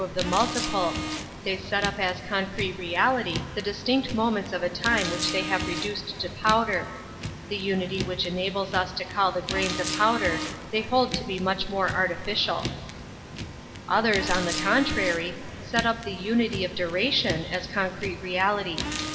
of the multiple; they set up as concrete '' reality the distinct moments of a time which they have reduced to powder; the unity which enables us to call the grains a powi they hold to be much more artifii eter^^^ tha^H Metaphysics 6i Others, on the contrary, set up the unity of duration as concrete reality.